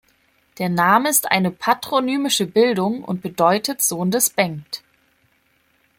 Der Name ist eine patronymische Bildung und bedeutet "Sohn des Bengt".